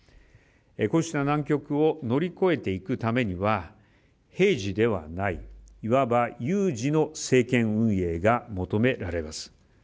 こうした難局を乗り越えていくためには平時ではないいわば有事の政権運営が求められます。